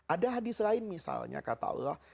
ada hadis lain misalnya kata allah